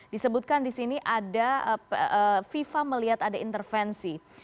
disebutkan di sini ada fifa melihat ada intervensi